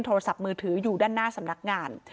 โทรศัพท์มือถืออยู่ด้านหน้าสำนักงาน